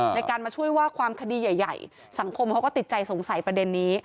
ในการมาช่วยว่าความคดีใหญ่สังคมเขาก็ติดใจสงสัยประเด็นนี้